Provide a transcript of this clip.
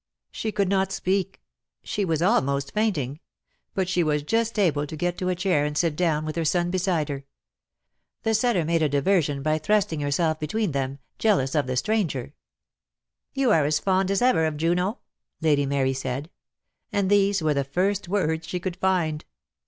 She could not speak. She was almost fainting; but she was just able to get to a chair and sit dovra, with her son beside her. The setter made a diver sion, by thrusting herself between them, jealous of the stranger. "You are as fond as ever of Juno?" Lady Mary said, and these were the first words she could find.